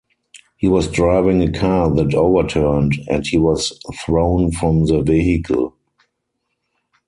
He was driving a car that overturned, and he was thrown from the vehicle.